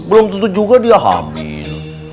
belum tentu juga dia hamil